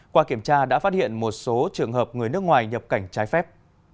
qua kiểm tra đã phát hiện một số trường hợp người nước ngoài nhập cảnh trái phép